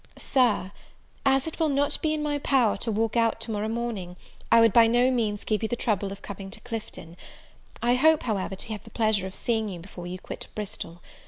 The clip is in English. "SIR, "As it will not be in my power to walk out to morrow morning, I would by no means give you the trouble of coming to Clifton. I hope, however, to have the pleasure of seeing you before you quit Bristol.